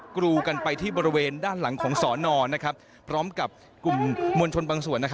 กรูกันไปที่บริเวณด้านหลังของสอนอพร้อมกับกลุ่มมวลชนบางส่วน